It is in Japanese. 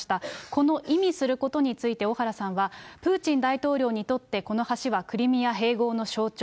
この意味することについて、小原さんは、プーチン大統領にとってこの橋はクリミア併合の象徴。